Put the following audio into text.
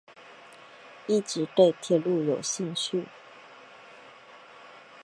一直对铁路有兴趣。